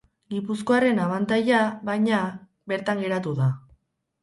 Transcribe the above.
Gipuzkoarren abantaila, baina, bertan geratu da.